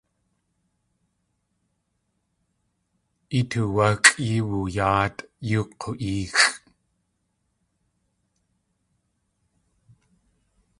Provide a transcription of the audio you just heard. I tuwáxʼ yeewooyáatʼ yóo k̲u.éexʼ.